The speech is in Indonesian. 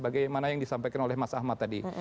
bagaimana yang disampaikan oleh mas ahmad tadi